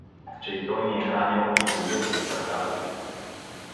че и той ни е хранил и поил с ръката си.